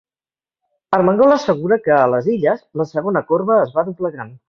Armengol assegura que a les Illes ‘la segona corba es va doblegant’